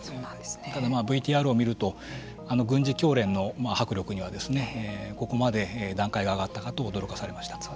ただＶＴＲを見ると軍事教練の迫力にはここまで段階が上がったかと驚かされました。